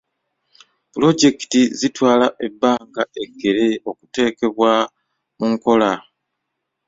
Pulojekiti zitwala ebbanga eggere okuteekebwa mu nkola.